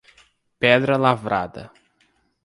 Pedra Lavrada